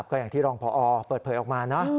ก็อย่างที่รองพอเปิดเผยออกมานะ